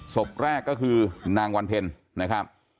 ศพแรกก็คือนางวรรณเพลินนะครับ